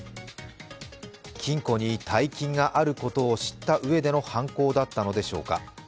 金庫に大金があることを知ったうえでの犯行だったのでしょうか。